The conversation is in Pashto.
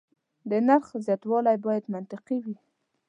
د نرخ زیاتوالی باید منطقي وي.